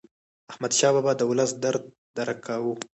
احمدشاه بابا د ولس درد درک کاوه.